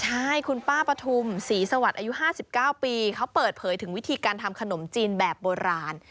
ใช่คุณป้าปฐุมศรีสวัสดิ์อายุ๕๙ปีเขาเปิดเผยถึงวิธีการทำขนมจีนแบบโบราณ